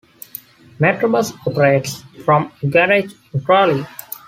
Metrobus operates from a garage in Crawley.